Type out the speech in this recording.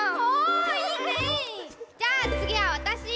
じゃあつぎはわたし！